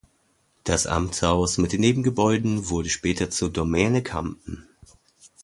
Das Amtshaus mit den Nebengebäuden wurde später zur Domäne Campen.